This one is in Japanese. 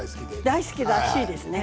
大好きらしいですね。